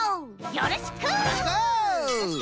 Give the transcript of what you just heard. よろしく！